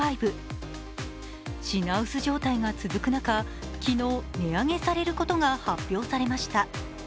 品薄状態が続く中、昨日、値上げされることが発表されました。